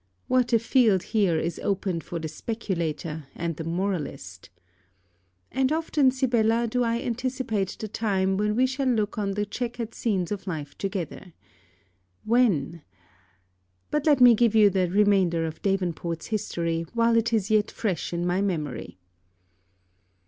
What a field here is opened for the speculator, and the moralist! And often, Sibella, do I anticipate the time when we shall look on the chequered scenes of life together. When but let me give you the remainder of Davenport's history while is is yet fresh in my memory.